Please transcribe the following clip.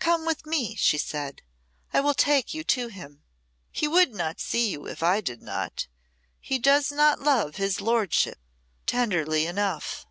"Come with me," she said; "I will take you to him. He would not see you if I did not. He does not love his lordship tenderly enough."